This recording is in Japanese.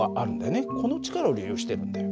この力を利用してるんだよ。